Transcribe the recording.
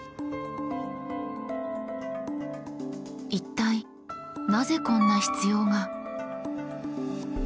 一体なぜこんな必要が？